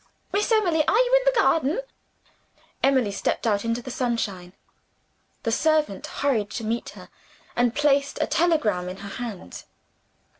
"Miss Emily, are you in the garden?" Emily stepped out into the sunshine. The servant hurried to meet her, and placed a telegram in her hand.